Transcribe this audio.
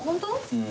うん。